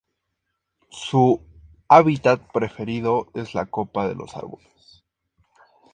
Su hábitat preferido es la copa de los árboles.